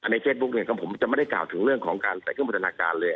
ในเฟซบุ๊กเนี่ยผมจะไม่ได้กล่าวถึงเรื่องของการใส่เครื่องพัฒนาการเลย